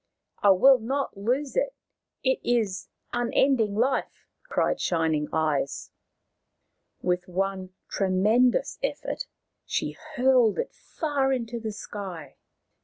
I will not lose it. It is unending life !" cried Shining Eyes. With one tremendous effort she hurled it far into the sky.